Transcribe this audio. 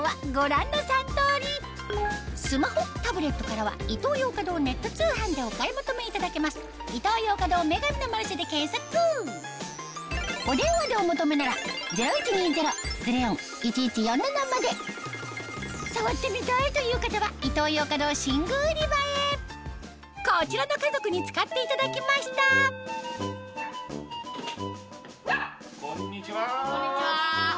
スマホタブレットからはイトーヨーカドーネット通販でお買い求めいただけます触ってみたいという方はイトーヨーカドー寝具売場へこちらの家族に使っていただきましたこんにちは。